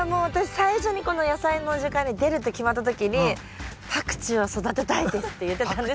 最初にこの「やさいの時間」に出るって決まった時にパクチーを育てたいですって言ってたんですよ。